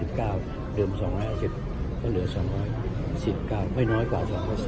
เหลือ๒๔๙เดิม๒๕๐ก็เหลือ๒๑๙ไม่น้อยกว่า๒๑๙